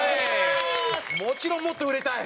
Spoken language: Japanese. もちろんもっと売れたい？